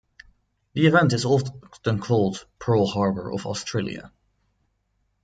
This event is often called the "Pearl Harbor of Australia".